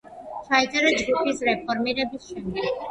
ჩაიწერა ჯგუფის რეფორმირების შემდეგ.